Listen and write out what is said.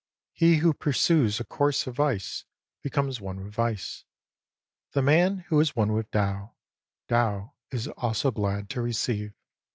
He who pursues a course of Vice becomes one with Vice. The man who is one with Tao, Tao is also glad to receive.